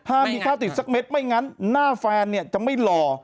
ถ้ามีข้าวติดสักเม็ดไม่งั้นหน้าแฟนเนี่ยจะไม่หล่อ